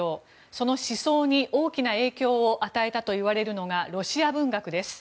その思想に、大きな影響を与えたといわれるのがロシア文学です。